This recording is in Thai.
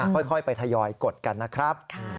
ค่อยไปทยอดดกันนะครับ